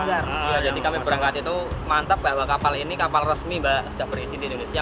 jadi kami berangkat itu mantap bahwa kapal ini kapal resmi sudah berizin di indonesia